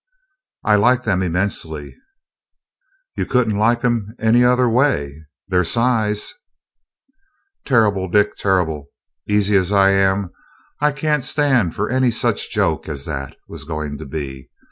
"I like them immensely " "You couldn't like 'em any other way, their size " "Terrible, Dick, terrible! Easy as I am, I can't stand for any such joke as that was going to be.